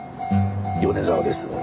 米沢です。